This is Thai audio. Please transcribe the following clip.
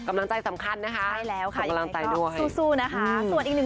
กำลังใจสำคัญนะคะกำลังใจด้วยสู้นะคะส่วนอีกหนึ่ง